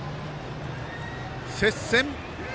接戦。